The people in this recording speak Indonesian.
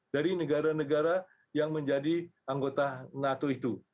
dari negara negara yang menjadi anggota nato itu